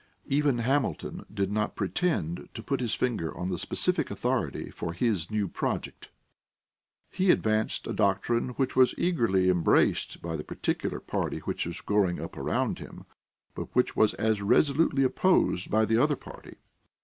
Even Hamilton did not pretend to put his finger on the specific authority for his new project. He advanced a doctrine which was eagerly embraced by the party which was growing up around him, but which was as resolutely opposed by the other party.